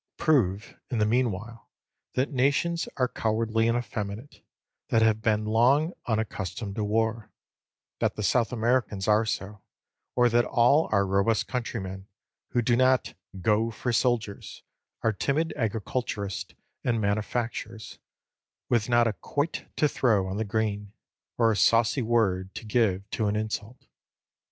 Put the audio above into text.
Prove, in the meanwhile, that nations are cowardly and effeminate, that have been long unaccustomed to war; that the South Americans are so; or that all our robust countrymen, who do not "go for soldiers," are timid agriculturists and manufacturers, with not a quoit to throw on the green, or a saucy word to give to an insult.